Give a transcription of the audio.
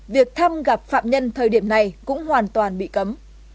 việc thăm gặp phạm nhân thời điểm này cũng hoàn toàn bị cấm